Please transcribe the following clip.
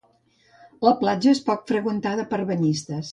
La platja és poc freqüentada per banyistes.